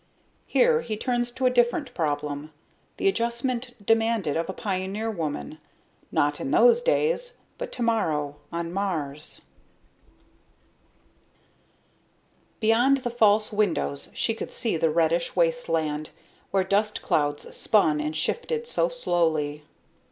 Here he turns to a different problem the adjustment demanded of a pioneer woman, not in those days but Tomorrow on Mars._ moment of truth by BASIL WELLS Beyond the false windows she could see the reddish wasteland where dust clouds spun and shifted so slowly.